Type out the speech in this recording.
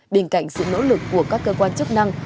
bên cạnh sự nỗ lực của các cơ quan chức năng